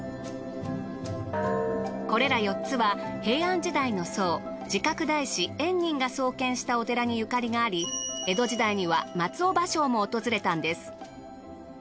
これら４つは平安時代の僧慈覚大師円仁が創建したお寺にゆかりがあり江戸時代には松尾芭蕉も訪れたんです。